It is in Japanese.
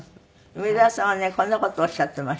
梅沢さんはねこんな事おっしゃっていました。